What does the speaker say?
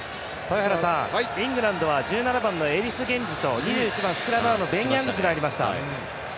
イングランドは１７番のエリス・ゲンジと２１番、スクラムハーフのベン・ヤングスが入りました。